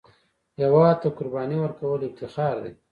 هېواد ته قرباني ورکول افتخار دی